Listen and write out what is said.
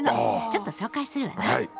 ちょっと紹介するわね。